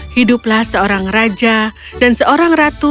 hiduplah seorang raja dan seorang ratu